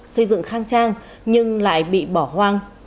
xây dựng khang trang nhưng lại bị bỏ hoang